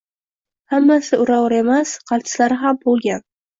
Hammasi ura-ura emas, qaltislari ham bo’lgan!